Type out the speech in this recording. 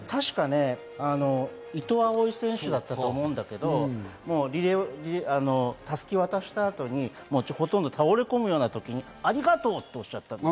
確か伊藤蒼唯選手だったと思うけど、襷を渡した後にほとんど倒れ込むようなときに、ありがとう！って、おっしゃったんです。